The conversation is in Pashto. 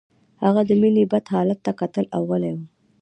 هغه د مينې بد حالت ته کتل او غلی و